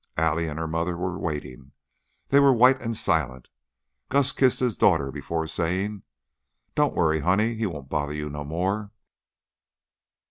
Allie and her mother were waiting; they were white and silent. Gus kissed his daughter before saying: "Don't worry, honey; he won't bother you no more."